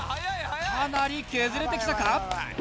かなり削れてきたか？